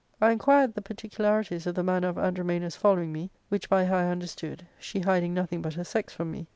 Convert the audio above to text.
I inquired the particularities of the manner of Andromana*s following me, which by her I understood, she hiding nothing but her sex from me.